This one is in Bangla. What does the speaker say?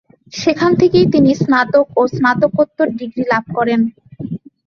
সেখান থেকেই তিনি স্নাতক ও স্নাতকোত্তর ডিগ্রী লাভ করেন।